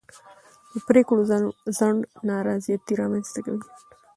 د پرېکړو ځنډ نارضایتي رامنځته کوي